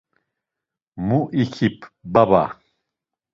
Mu ikip baba?